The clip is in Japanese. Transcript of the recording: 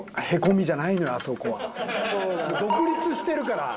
独立してるから。